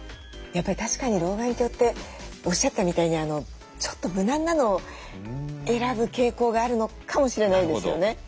やっぱり確かに老眼鏡っておっしゃったみたいにちょっと無難なのを選ぶ傾向があるのかもしれないですよね。